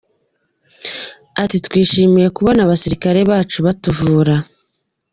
Ati “Twishimiye kubona abasirikare bacu batuvura.